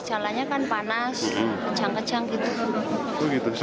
ada keturunan nggak sih